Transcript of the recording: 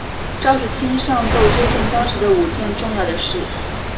赵世卿上奏纠正当时的五件重要的事。